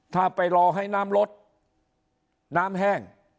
ถ้าไปรอให้น้ำลดน้ำแห้ง